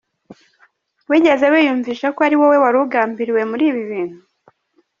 Wigeze wiyumvisha ko ari wowe wari ugambiriwe muri ibi bintu?.